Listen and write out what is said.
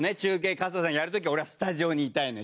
春日さんがやる時俺はスタジオにいたいのよ。